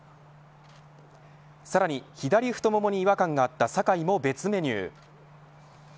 さらに左太ももに違和感があった酒井も別メニュー。